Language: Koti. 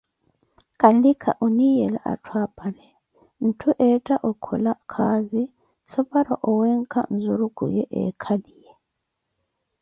Kanlikha oniiyela atthu apale, ntthu ontta okhola khaazi so para owenkha nzurukhu yo eekhaliye.